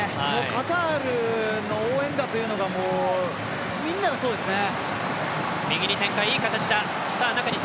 カタールの応援というのがみんながそうですね。